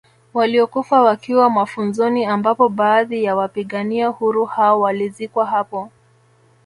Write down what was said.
Waliokufa wakiwa mafunzoni ambapo baadhi ya wapigania uhuru hao walizikwa hapo